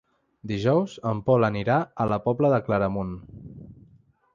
Dijous en Pol anirà a la Pobla de Claramunt.